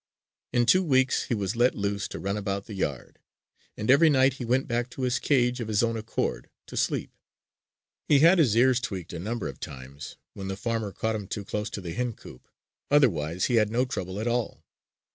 In two weeks, he was let loose to run about the yard; and every night he went back to his cage of his own accord to sleep. He had his ears tweeked a number of times, when the farmer caught him too close to the hen coop; otherwise he had no trouble at all.